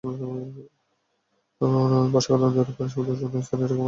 বর্ষাকালে নদীর পানি সুবিধাজনক স্থানে ধরে রেখে শুকনো মৌসুমে ছাড়তে হবে।